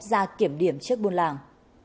ra kiểm điểm trước buôn làng